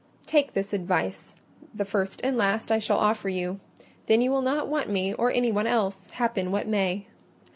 Take this advice: the first and last I shall offer you; then you will not want me or any one else, happen what may.